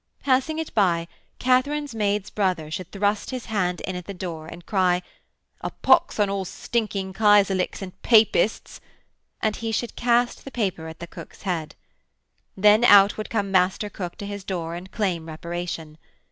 Passing it by, Katharine's maid's brother should thrust his hand in at the door and cry 'a pox on all stinking Kaiserliks and Papists,' and he should cast the paper at that cook's head. Then out would come master cook to his door and claim reparation.